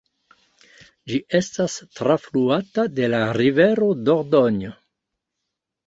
Ĝi estas trafluata de la rivero Dordogne.